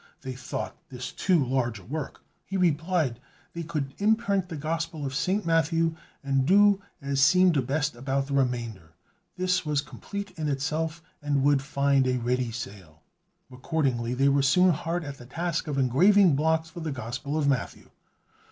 They thought this too large a work. He replied that they could imprint the Gospel of St. Matthew, and do as seemed best about the remainder; this was complete in itself, and would find a ready sale. Accordingly they were soon hard at the task of engraving blocks for the Gospel of Matthew.